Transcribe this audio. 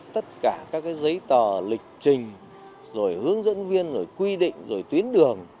tất cả các giấy tờ lịch trình rồi hướng dẫn viên rồi quy định rồi tuyến đường